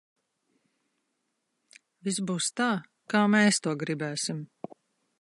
Viss būs tā, kā mēs to gribēsim!